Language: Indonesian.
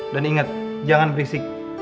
dan ingat jangan berisik